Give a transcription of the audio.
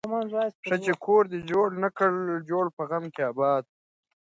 ښه چي کور دي نه کړ جوړ په غم آباد کي